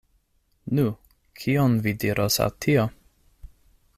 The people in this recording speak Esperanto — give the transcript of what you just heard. Nu, kion vi diros al tio?